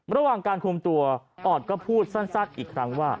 ระหว่างการคุมตัวออดก็พูดสั้นอีกครั้งว่า